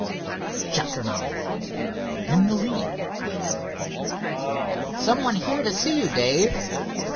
CHAPTER IX IN THE LEAD "Someone here to see you, Dave."